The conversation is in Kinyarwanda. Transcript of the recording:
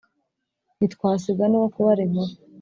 ntitwasiga n’uwo kubara inkuru